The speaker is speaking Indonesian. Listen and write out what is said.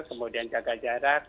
kemudian jaga jarak